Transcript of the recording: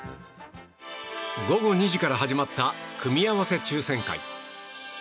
午後２時から始まった組み合わせ抽選会。